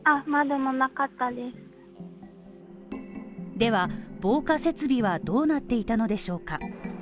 では、防火設備はどうなっていたのでしょうか？